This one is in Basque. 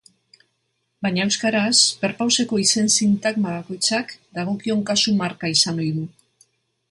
Baina euskaraz perpauseko izen-sintagma bakoitzak dagokion kasu-marka izan ohi du.